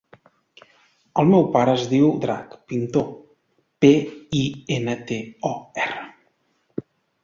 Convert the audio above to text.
El meu pare es diu Drac Pintor: pe, i, ena, te, o, erra.